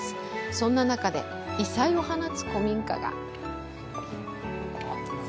そんな中で異彩を放つ古民家が。